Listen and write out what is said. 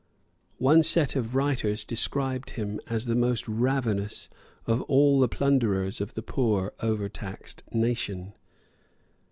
One set of writers described him as the most ravenous of all the plunderers of the poor overtaxed nation.